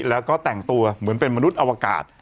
แล้วก็แต่งตัวเหมือนเป็นมนุษย์อวกาศ